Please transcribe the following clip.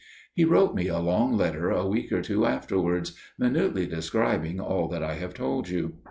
He wrote me a long letter a week or two afterwards, minutely describing all that I have told you.